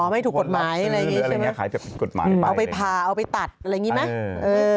อ๋อไม่ถูกกฎหมายอะไรอย่างนี้ใช่ไหมเอาไปผ่าเอาไปตัดอะไรอย่างนี้ไหมเออ